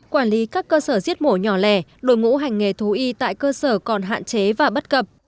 quản lý các cơ sở giết mổ nhỏ lẻ đổi ngũ hành nghề thú y tại cơ sở còn hạn chế và bất cập